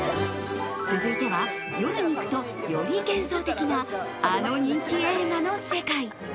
続いては夜に行くとより幻想的なあの人気映画の世界。